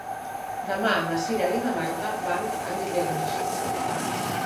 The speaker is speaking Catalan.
Demà na Cira i na Marta van a Vidreres.